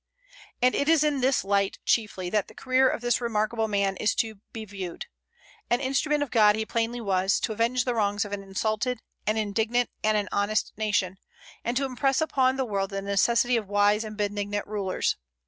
And it is in this light, chiefly, that the career of this remarkable man is to be viewed. An instrument of God he plainly was, to avenge the wrongs of an insulted, an indignant, and an honest nation, and to impress upon the world the necessity of wise and benignant rulers.